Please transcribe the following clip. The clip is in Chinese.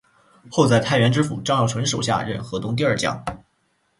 后在太原知府张孝纯手下任河东第二将。